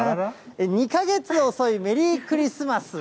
２か月遅いメリークリスマス。